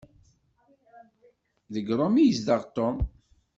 Deg Rome i yezdeɣ Tom.